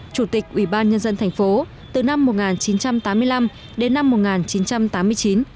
chủ tịch ủy ban nhân dân thành phố từ năm một nghìn chín trăm tám mươi năm đến năm một nghìn chín trăm tám mươi chín